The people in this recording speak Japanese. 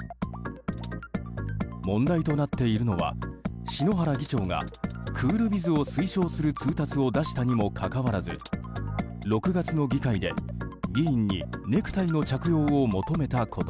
問題となっているのは篠原議長がクールビズを推奨する通達を出したにもかかわらず６月の議会で議員にネクタイの着用を求めたこと。